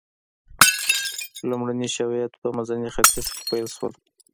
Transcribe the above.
لومړني شواهد په منځني ختیځ کې پیل شول.